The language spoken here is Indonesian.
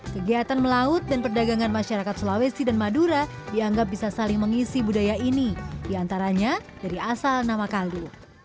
kegiatan melaut dan perdagangan masyarakat sulawesi dan madura dianggap bisa saling mengisi budaya ini diantaranya dari asal nama kaldu